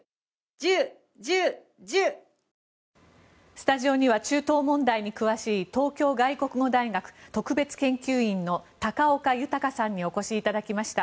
スタジオには中東問題に詳しい東京外国語大学特別研究員の高岡豊さんにお越しいただきました。